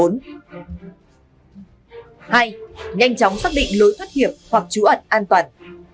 hai nhanh chóng xác định lối thoát hiểm hoặc trú ẩn an toàn